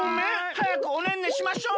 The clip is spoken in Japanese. はやくおねんねしましょうね！